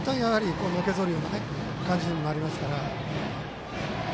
のけぞるような感じになりますから。